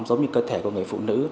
giống như cơ thể của người phụ nữ